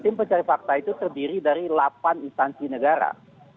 tim pencari fakta itu terdiri dari delapan instansi negara